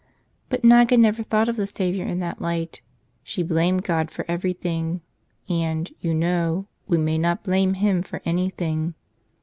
But Niga never thought of the Savior in that light. She blamed God for everything. And, you know, we may not blame Him for anything.